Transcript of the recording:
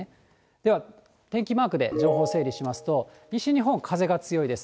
では、天気マークで情報整理しますと、西日本、風が強いです。